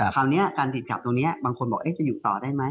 คราวนี้การติดขัดตรงนี้บางคนบอกจะอยู่ต่อได้ไหม